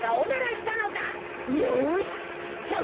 よしすっちゃう